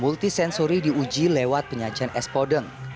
multi sensori diuji lewat penyajian es podeng